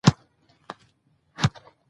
ازادي راډیو د روغتیا ستر اهميت تشریح کړی.